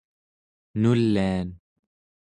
nulian